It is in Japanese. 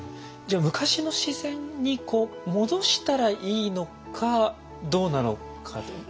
じゃあ昔の自然に戻したらいいのかどうなのかと。